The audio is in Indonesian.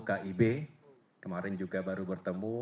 kib kemarin juga baru bertemu